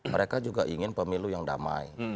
mereka juga ingin pemilu yang damai